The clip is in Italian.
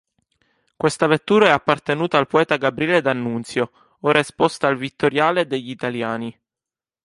Questa vettura è appartenuta al poeta Gabriele D'Annunzio, ora esposta al Vittoriale degli italiani.